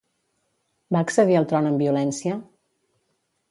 Va accedir al tron amb violència?